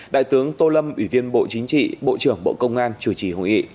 đại tướng tô lâm ủy viên bộ chính trị bộ trưởng bộ công an chủ trì hội nghị